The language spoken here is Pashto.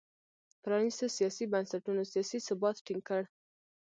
پرانیستو سیاسي بنسټونو سیاسي ثبات ټینګ کړ.